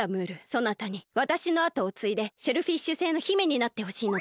そなたにわたしのあとをついでシェルフィッシュ星の姫になってほしいのだ。